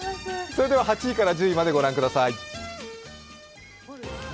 それでは８位から１０位までをご覧ください。